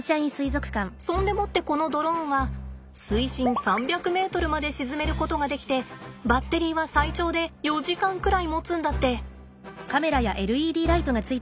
そんでもってこのドローンは水深３００ｍまで沈めることができてバッテリーは最長で４時間くらいもつんだって。